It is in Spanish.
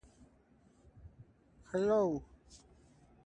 Es un endemismo de Italia.